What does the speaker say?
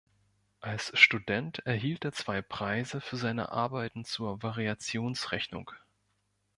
Als Student erhielt er zwei Preise für seine Arbeiten zur Variationsrechnung.